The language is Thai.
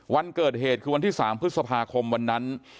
วันเกิดเหตุคือวันที่๓พฤษภาคมวันนั้น